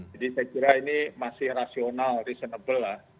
jadi saya kira ini masih rasional reasonable lah